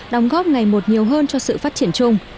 đóng góp ngày một nhiều hơn cho sự phát triển chung